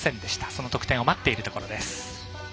その得点を待っているところです。